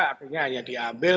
artinya hanya diambil